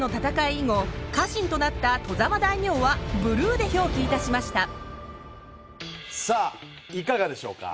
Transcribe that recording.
以後家臣となった外様大名はブルーで表記いたしましたさあいかがでしょうか。